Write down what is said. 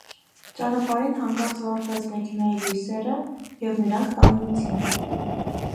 Ճանապարհին հանկարծ վառվեց մեքենայի լույսերը, և նրանք կանգնեցին։